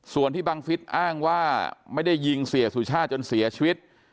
ส่วนที่บังฟิศอ้างว่าไม่ได้ยิงเสียสุชาติจนเสียชีวิต